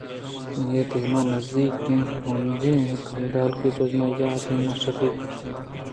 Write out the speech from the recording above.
آئی ء ِدیمے نزّیک ءِ لونجانیں قندیل ءِ روژنائی آئی ءِ دیما شرّی ءَ کپان اَت